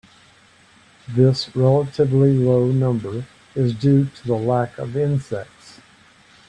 This relatively low number is due to the lack of insects.